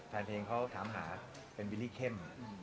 แฟนเพลงเขาถามหาเป็นบิลลี่เข้ม